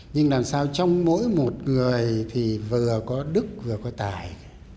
nhưng làm sao trong mỗi một người thì vừa có đức vừa có tài